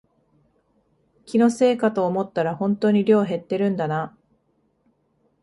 気のせいかと思ったらほんとに量減ってるんだな